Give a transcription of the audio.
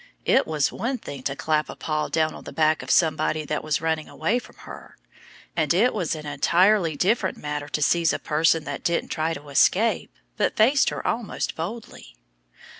It was one thing to clap a paw down on the back of somebody that was running away from her. And it was an entirely different matter to seize a person that didn't try to escape, but faced her almost boldly.